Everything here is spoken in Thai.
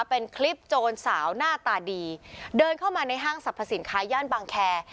เป็นคลิปโจรสาวหน้าตาดีเดินเข้ามาในห้างสรรพสินค้าย่านบางแคร์